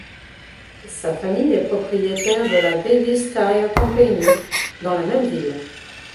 Sa famille est propriétaire de la Davis Tire Company dans la même ville.